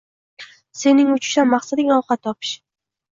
Sening uchishdan maqsading ovqat topish.